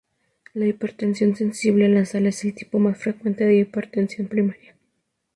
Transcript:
La hipertensión sensible a la sal es el tipo más frecuente de hipertensión primaria.